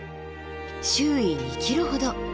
周囲２ｋｍほど。